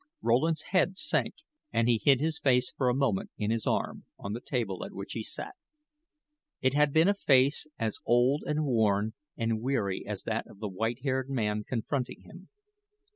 Rowland's head sank and he hid his face for a moment in his arm, on the table at which he sat. It had been a face as old, and worn, and weary as that of the white haired man confronting him.